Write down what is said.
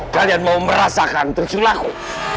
kalian mau merasakan tersulaku